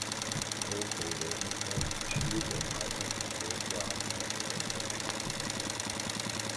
Cow Cow Davenport spielte im Alter von zwölf Jahren Klavier und wollte Musiker werden.